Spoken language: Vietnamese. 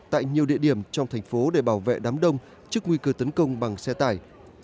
tại nhiều địa điểm trong thành phố để bảo vệ đám đông trước nguy cơ tấn công bằng xe tải